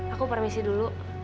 aku permisi dulu